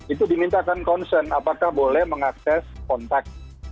itu dimintakan concern apakah boleh mengakses kontak